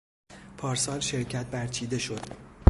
پارسال شرکت برچیده شد.